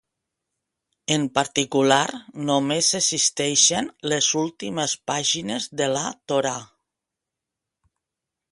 En particular, només existeixen les últimes pàgines de la Torà.